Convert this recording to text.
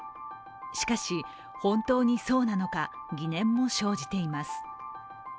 しかし、本当にそうなのか疑念も生じています。